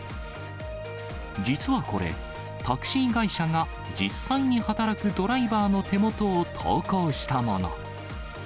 実はこれ、タクシー会社が実際に働くドライバーの手元を投稿したもの。